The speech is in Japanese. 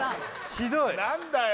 ひどいなんだよ